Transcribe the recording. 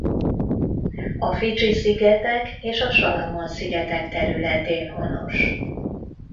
A Fidzsi-szigetek és a Salamon-szigetek területén honos.